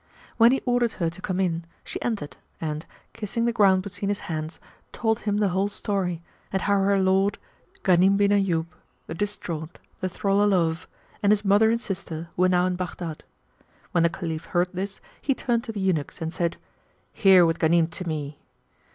When he ordered her to come in, she entered and, kissing the ground between his hands, told him the whole story and how her lord, Ghanim bin Ayyub, yclept the Distraught, the Thrall o' Love, and his mother and sister were now in Baghdad. When the Caliph heard this, he turned to the eunuchs and said, "Here with Ghanim to me."